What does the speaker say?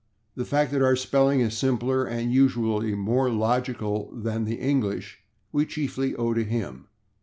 The fact that our spelling is simpler and usually more logical than the English we chiefly owe to him.